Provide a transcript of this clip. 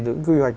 dưỡng quy hoạch